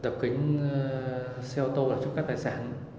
đập kính xe ô tô là trúc cắt tài sản